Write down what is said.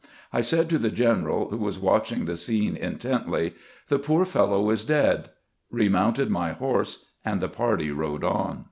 I said to the general, who was watching the scene intently, "The poor fellow is dead," remounted my horse, and the party rode on.